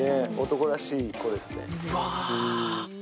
男らしい子ですね。